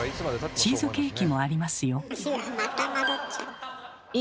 チーズケーキもありますよ。